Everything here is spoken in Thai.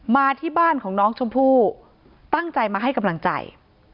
มาที่บ้านของน้องชมพู่ตั้งใจมาให้กำลังใจ